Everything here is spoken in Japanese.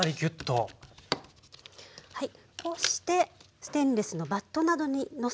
こうしてステンレスのバットなどにのせて冷凍して下さい。